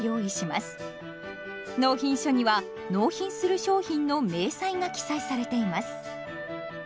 納品書には納品する商品の明細が記載されています。